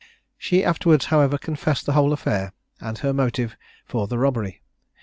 She afterwards, however, confessed the whole affair, and her motive for the robbery.